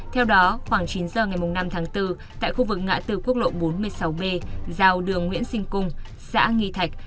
theo đó khoảng chín giờ ngày năm tháng bốn tại khu vực ngã từ quốc lộ bốn mươi sáu b giao đường nguyễn sinh cung xã nghi thạch